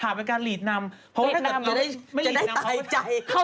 ถามเป็นการหลีดนำเพราะถ้าเกิดเราไม่หลีดนำเขาจะไม่ตอบ